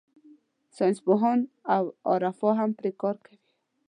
ساینسپوهان او عرفا هم پرې کار کوي.